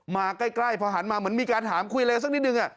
มาใกล้พอหันมาเหมือนมีการถามคุยอะไรสักนิดนึง